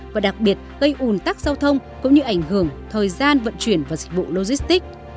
và đặc biệt gây ủn tắc giao thông cũng như ảnh hưởng thời gian vận chuyển và dịch vụ logistics